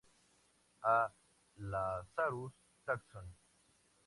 A Lazarus Taxon